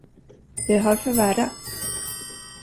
Det har förvärrats.